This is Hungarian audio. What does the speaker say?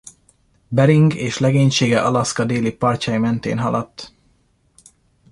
Bering és legénysége Alaszka déli partjai mentén haladt.